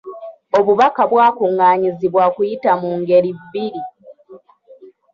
Obubaka bwakungaanyizibwa okuyita mu ngeri bbiri.